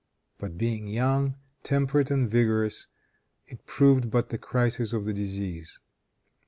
But being young, temperate and vigorous, it proved but the crisis of the disease.